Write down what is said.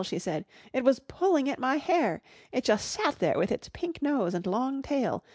she said. "It was pulling at my hair. It just sat there with its pink nose and long tail.